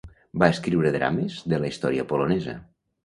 Va escriure drames de la història polonesa.